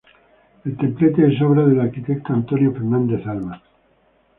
El templete es obra del arquitecto Antonio Fernández Alba.